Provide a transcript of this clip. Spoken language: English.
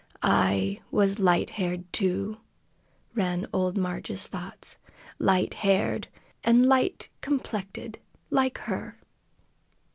"I was light haired, too!" ran old Marg's thoughts. "Light haired, an' light complected, like her!"